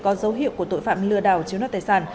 có dấu hiệu của tội phạm lừa đảo chiếu đoàn tài sản